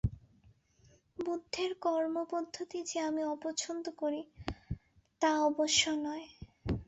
বুদ্ধের কর্মপদ্ধতি যে আমি অপচ্ছন্দ করি, তা অবশ্য নয়।